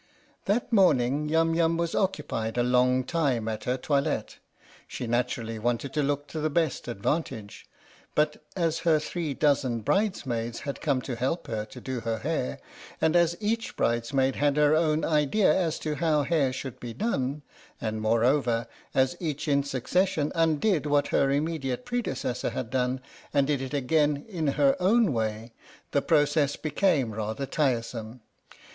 That morning Yum Yum was occupied a long time at her toilette. She naturally wanted to look to the best advantage, but as her three dozen brides maids had come to help her to do her hair, and as each bridesmaid had her own idea as to how hair should be done, and moreover as each in succession 74 THE STORY OF THE MIKADO undid what her immediate predecessor had done and did it again in her own way, the process became rather tiresome.